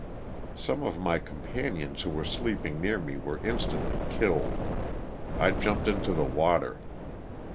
Some of my companions who were sleeping near me were instantly killed. I jumped into the water.